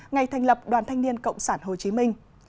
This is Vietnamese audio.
ngày thành lập đoàn thanh niên cộng sản hồ chí minh